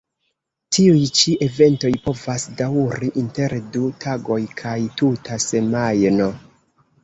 Tiuj ĉi eventoj povas daŭri inter du tagoj kaj tuta semajno.